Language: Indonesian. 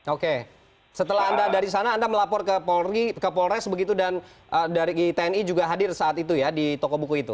oke setelah anda dari sana anda melapor ke polres begitu dan dari tni juga hadir saat itu ya di toko buku itu